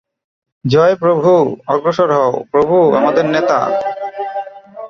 জয় প্রভু! অগ্রসর হও, প্রভু আমাদের নেতা।